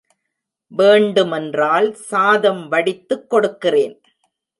வேண்டு மென்றால் சாதம் வடித்துக் கொடுக்கிறேன்.